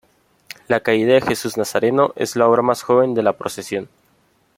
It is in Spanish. La Caída de Jesús Nazareno es la obra más joven de la Procesión.